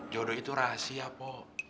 jodoh itu rahasia pok